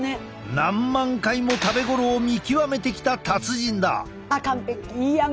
何万回も食べ頃を見極めてきた達人だ！